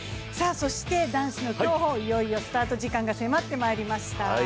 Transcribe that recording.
そして男子の競歩、いよいよスタート時間が迫ってまいりました。